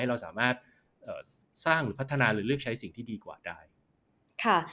เราสามารถสร้างหรือพัฒนาหรือเลือกใช้สิ่งที่ดีกว่าได้ค่ะ